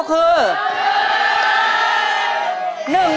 ส่วนตู้ที่๔นะครับผู้ผู้ชม